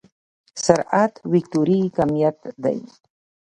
سرعت وکتوري کميت دی.